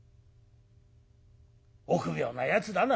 「臆病なやつだな」。